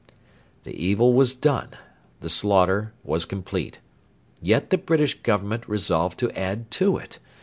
The evil was done. The slaughter was complete. Yet the British Government resolved to add to it.